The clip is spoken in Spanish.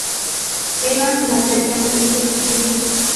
Evans nació en San Felipe, Chile.